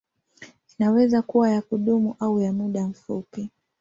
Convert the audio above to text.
Inaweza kuwa ya kudumu au ya muda mfupi.